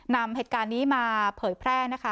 นำเหตุการณ์นี้มาเผยแพร่นะคะ